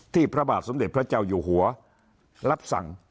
พระบาทสมเด็จพระเจ้าอยู่หัวรับสั่ง